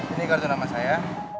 ini kartu nama saya